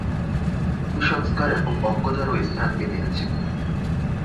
কুসংস্কার এবং অজ্ঞতারও স্থান বেদে আছে।